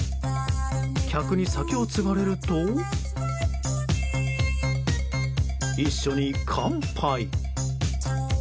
客に酒をつがれると一緒に乾杯。